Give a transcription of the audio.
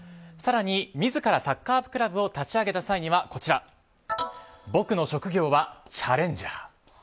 更に、自らサッカークラブを立ち上げた際には僕の職業はチャレンジャー。